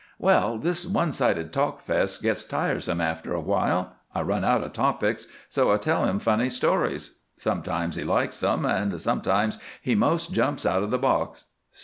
"Well, this one sided talkfest gets tiresome after a while. I run out of topics, so I tell him funny stories. Sometimes he likes them, and sometimes he 'most jumps out of the box.